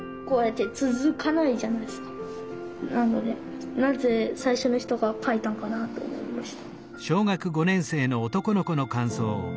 なのでなぜ最初の人が書いたのかなと思いました。